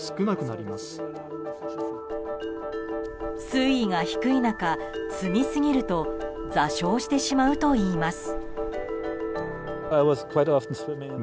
水位が低い中、積みすぎると座礁してしまうといいます。